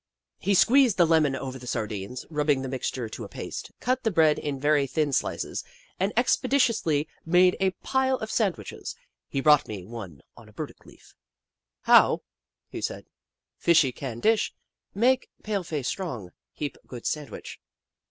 He squeezed the lemon over the sardines, rubbing the mixture to a paste, cut the bread in very thin slices, and expeditiously made a pile of sandwiches. He brought me one on a burdock leaf. " How," he said. " Fishy Can Dish make paleface strong. Heap good sandwich."